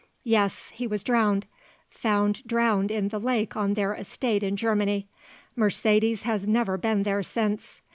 Yes; he was drowned; found drowned in the lake on their estate in Germany. Mercedes has never been there since.